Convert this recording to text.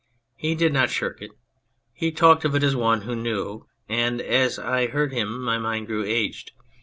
He did not shirk it. He talked of it as one who knew ; and as I heard him my mind grew aged.